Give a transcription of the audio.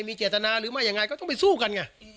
มีเจตนาหรือไม่ยังไงก็ต้องไปสู้กันไง